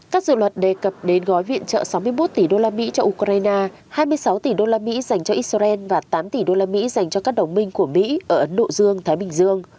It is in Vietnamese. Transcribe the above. các dự luật đề cập đến gói viện trợ sáu mươi một tỷ đô la mỹ cho ukraine hai mươi sáu tỷ đô la mỹ dành cho israel và tám tỷ đô la mỹ dành cho các đồng minh của mỹ ở ấn độ dương thái bình dương